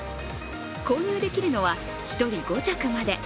購入できるのは１人５着まで。